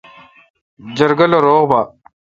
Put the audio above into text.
جرگہ لو روغ با۔